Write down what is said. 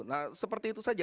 nah seperti itu saja